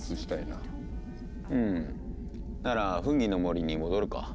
ならフンギの森に戻るか。